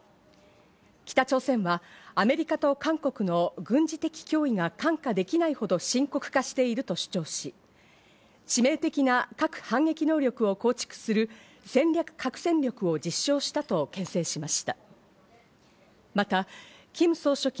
北朝鮮は、アメリカと韓国の軍事的脅威が看過できないほど深刻化していると主張し、致命的な核反撃能力を構築する戦略核戦力を実証したとけん制しました。